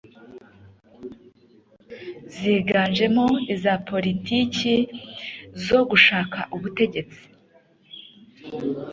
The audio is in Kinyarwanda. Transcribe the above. ziganjemo iza politiki zo gushaka ubutegetsi